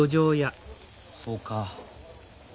そうか。